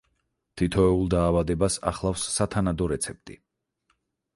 თითოეულ დაავადებას ახლავს სათანადო რეცეპტი.